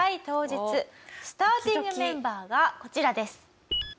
当日スターティングメンバーがこちらです。